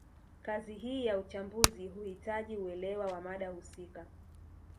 Kazi hii ya uchambuzi huhitaji uelewa wa mada husika